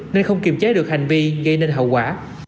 nên không kiềm chế được hành vi gây nên hậu quả